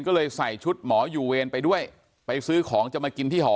ก็เลยใส่ชุดหมออยู่เวรไปด้วยไปซื้อของจะมากินที่หอ